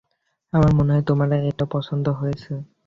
আমার মনে হয় তোমার এটা পছন্দ হয়েছে।